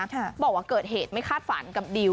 บอกว่าเกิดเหตุไม่คาดฝันกับดิว